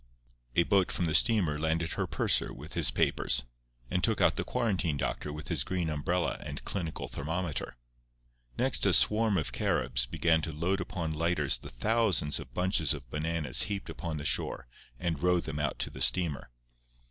A boat from the steamer landed her purser with his papers, and took out the quarantine doctor with his green umbrella and clinical thermometer. Next a swarm of Caribs began to load upon lighters the thousands of bunches of bananas heaped upon the shore and row them out to the steamer.